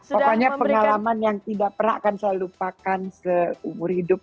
pokoknya pengalaman yang tidak pernah akan saya lupakan seumur hidup